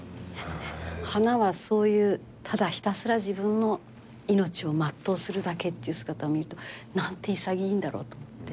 花はそういうただひたすら自分の命を全うするだけっていう姿を見ると何て潔いんだろうと思って。